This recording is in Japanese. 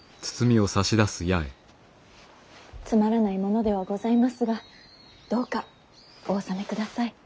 つまらないものではございますがどうかお納めください。